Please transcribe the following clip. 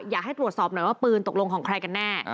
อยากให้ตรวจสอบหน่อยว่าปืนตกลงของใครกันแน่